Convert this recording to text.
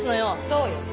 そうよ